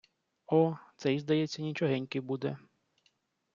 О, цей, здається, нічогенький буде!..